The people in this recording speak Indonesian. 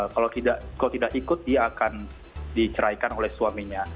kalau tidak ikut dia akan diceraikan oleh suaminya